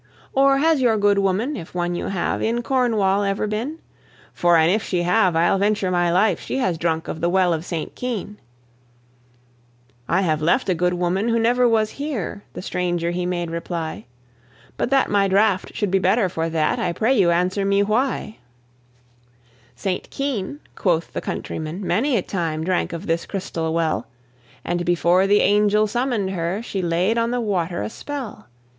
"Or has your good woman, if one you have, In Cornwall ever been? For an if she have, I'll venture my life She has drunk of the Well of St. Keyne." "I have left a good woman who never was here," The stranger he made reply; "But that my draught should be better for that, I pray you answer me why," "St. Keyne," quoth the countryman, "many a time Drank of this crystal well, And before the angel summoned her She laid on the water a spell.